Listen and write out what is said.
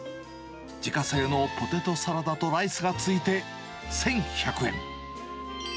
自家製のポテトサラダとライスが付いて１１００円。